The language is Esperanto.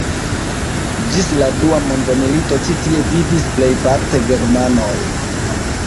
Ĝis la dua mondmilito ĉi tie vivis plejparte germanoj.